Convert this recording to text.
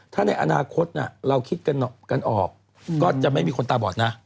ถ้าในอนาคตเราคิดกันออกก็จะไม่มีคนตาบอดนะ